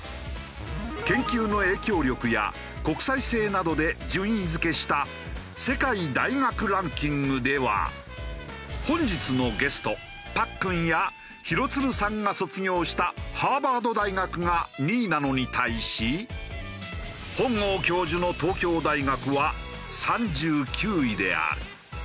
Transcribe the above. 研究の影響力や国際性などで順位付けした本日のゲストパックンや廣津留さんが卒業したハーバード大学が２位なのに対し本郷教授の東京大学は３９位である。